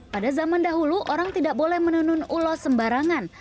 pada zaman dahulu orang tidak boleh menenun ulos sembarangan